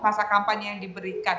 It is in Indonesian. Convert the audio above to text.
masa kampanye yang diberikan